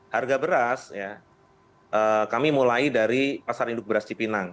harga beras kami mulai dari pasar induk beras cipinang